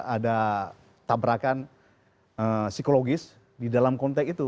ada tabrakan psikologis di dalam konteks itu